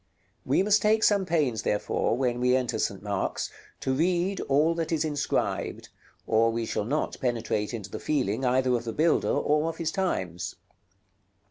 We must take some pains, therefore, when we enter St. Mark's, to read all that is inscribed, or we shall not penetrate into the feeling either of the builder or of his times.